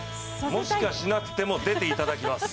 もしかしなくても出ていただきます。